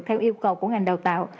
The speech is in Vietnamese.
theo yêu cầu của ngành đào tạo